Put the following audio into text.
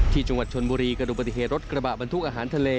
ที่จังหวัดชนบุรีกระดูกปฏิเหตุรถกระบะบรรทุกอาหารทะเล